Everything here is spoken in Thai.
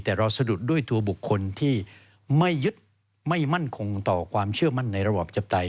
แต่เราสะดุดด้วยตัวบุคคลที่ไม่ยึดไม่มั่นคงต่อความเชื่อมั่นในระบอบประชาปไตย